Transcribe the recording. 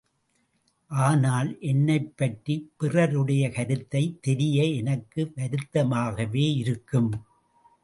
ஆனால், என்னைப் பற்றி பிறருடைய கருத்தைத் தெரிய எனக்கு வருத்தமாகவே இருக்கும்.